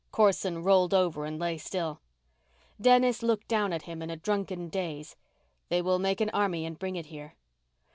Corson rolled over and lay still. Dennis looked down at him in a drunken daze. "They will make an army and bring it here."